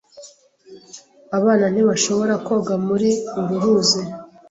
Abana ntibashobora koga muri uru ruzi.